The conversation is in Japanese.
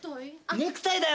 ネクタイだよ。